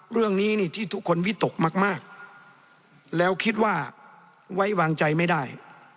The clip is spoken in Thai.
เรื่องนี้นี่ที่ทุกคนวิตกมากแล้วคิดว่าไว้วางใจไม่ได้